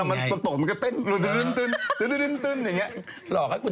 เมื่อมันเติพ์ตกมันก็เต้น